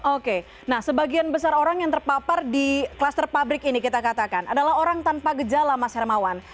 oke nah sebagian besar orang yang terpapar di kluster pabrik ini kita katakan adalah orang tanpa gejala mas hermawan